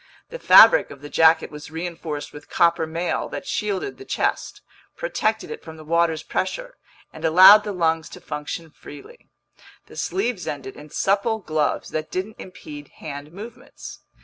The fabric of the jacket was reinforced with copper mail that shielded the chest, protected it from the water's pressure, and allowed the lungs to function freely; the sleeves ended in supple gloves that didn't impede hand movements.